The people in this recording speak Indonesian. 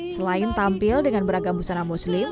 selain tampil dengan beragam busana muslim